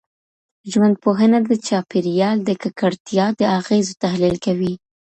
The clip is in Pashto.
ژوندپوهنه د چاپېریال د ککړتیا د اغېزو تحلیل کوي.